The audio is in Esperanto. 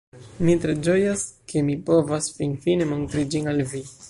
Mi tre ĝojas, ke mi povas finfine montri ĝin al vi